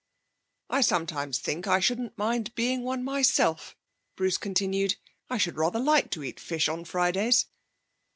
'I sometimes think I shouldn't mind being one myself,' Bruce continued; 'I should rather like to eat fish on Fridays.'